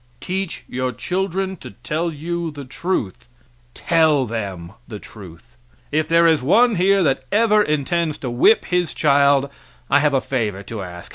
Teach your children to tell you the truth tell them the truth. If there is one here that ever intends to whip his child I have a favor to ask.